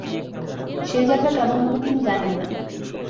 সেই যাত্রা কেমন হবে তিনি জানেন না।